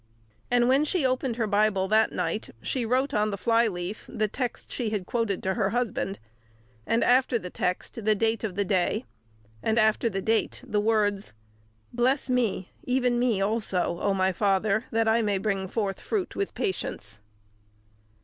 And when she opened her Bible that night she wrote on the flyleaf the text she had quoted to her husband, and after the text the date of the day, and after the date the words, "Bless me, even me also, oh, my Father, that I may bring forth fruit with patience!"